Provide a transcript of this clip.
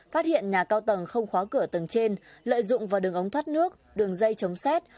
phát hiện nhà cao tầng không khóa cửa tầng trên lợi dụng vào đường ống thoát nước đường dây chống xét